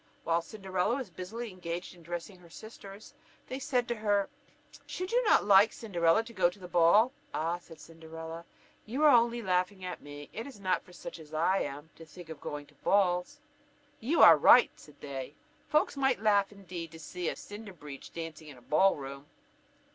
While Cinderella was busily engaged in dressing her sisters, they said to her, "Should you not like, Cinderella, to go to the ball?" "Ah!" replied Cinderella, "you are only laughing at me, it is not for such as I am to think of going to balls." "You are in the right," said they, "folks might laugh indeed, to see a Cinderbreech dancing in a ball room."